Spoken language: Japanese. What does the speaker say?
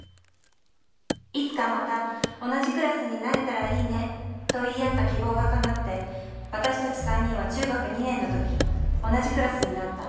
いつかまた同じクラスになれたら良いねと言い合った希望が叶って私たち三人は中学２年の時同じクラスになった。